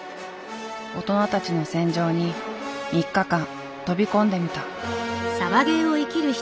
大人たちの戦場に３日間飛び込んでみた。